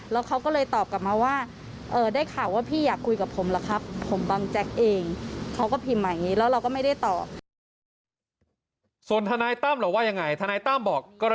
แล้วเขาก็เลยตอบกลับมาว่าได้ข่าวว่าพี่อยากคุยกับผมหรือครับ